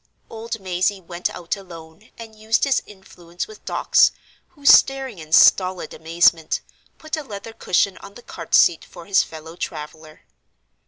Old Mazey went out alone and used his influence with Dawkes, who, staring in stolid amazement, put a leather cushion on the cart seat for his fellow traveler.